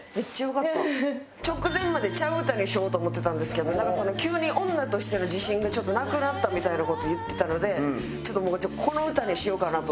直前までちゃう歌にしようと思ってたんですけど急に女としての自信がなくなったみたいな事を言ってたのでちょっとじゃあこの歌にしようかなと思って。